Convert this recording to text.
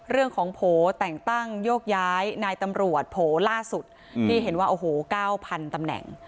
โผล่แต่งตั้งโยกย้ายนายตำรวจโผล่ล่าสุดที่เห็นว่าโอ้โห๙๐๐ตำแหน่ง